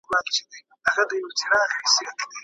د خوب ګډوډي د بدن رغونې توان کموي.